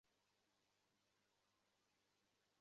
এই মিশনে এমনকিছু করে দেখাতে হবে, যেটার অভিজ্ঞতা ওদের কখনোই হয়নি।